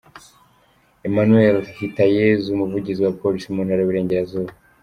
Emmanuel Hitayezu, umuvugizi wa Polisi mu Ntara y’Uburengerazuba.